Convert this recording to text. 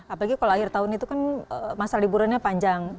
apalagi kalau akhir tahun itu kan masa liburannya panjang